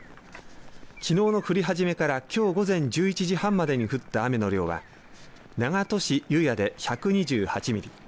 きのうの降り始めからきょう午前１１時半までに降った雨の量は長門市油谷で１２８ミリ